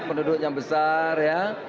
penduduknya besar ya